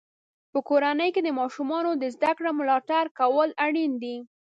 په کورنۍ کې د ماشومانو د زده کړې ملاتړ کول اړین دی.